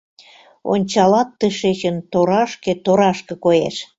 Ончалат тышечын — торашке-торашке коеш.